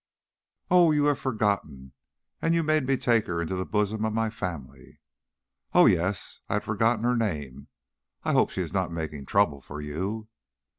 "Oh, you have forgotten! And you made me take her into the bosom of my family." "Oh yes; I had forgotten her name. I hope she is not making trouble for you."